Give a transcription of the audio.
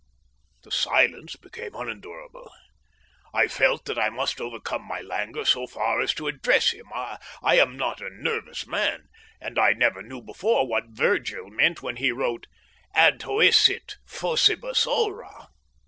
The silence became unendurable. I felt that I must overcome my languor so far as to address him. I am not a nervous man, and I never knew before what Virgil meant when he wrote "adhoesit faucibus ora."